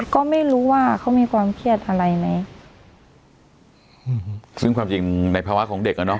ก็ไม่รู้ว่าเขามีความเครียดอะไรไหมอืมซึ่งความจริงในภาวะของเด็กอ่ะเนอ